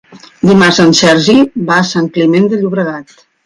Dimarts en Sergi va a Sant Climent de Llobregat.